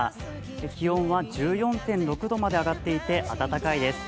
気温は１４．６度まで上がっていて暖かいです。